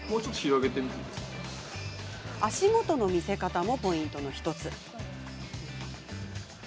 足元の見せ方もポイントの１つ。